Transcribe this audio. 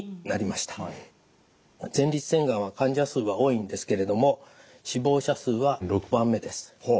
前立腺がんは患者数は多いんですけれども死亡者数は６番目です。